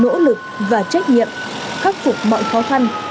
nỗ lực và trách nhiệm khắc phục mọi khó khăn